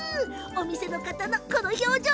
お店の方のこの表情。